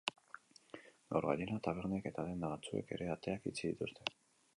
Gaur, gainera, tabernek eta denda batzuek ere ateak itxi dituzte.